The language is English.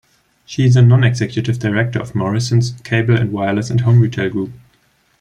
She is a non-executive director of Morrisons, Cable and Wireless and Home Retail Group.